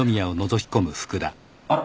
あら？